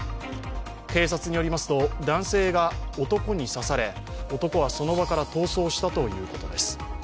警察によりますと、男性が男に刺され男はその場から逃走したということです。